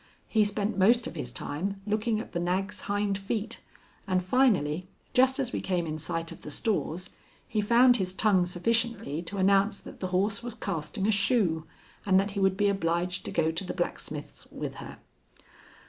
He spent most of his time looking at the nag's hind feet, and finally, just as we came in sight of the stores, he found his tongue sufficiently to announce that the horse was casting a shoe and that he would be obliged to go to the blacksmith's with her.